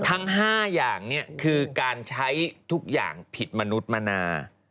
ทั้ง๕อย่างคือการใช้ทุกอย่างผิดมนุษย์มนา